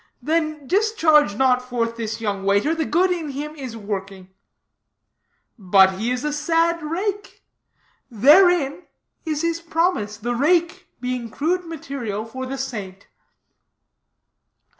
Then discharge not forth this young waiter; the good in him is working.' 'But he is a sad rake.' 'Therein is his promise; the rake being crude material for the saint.'"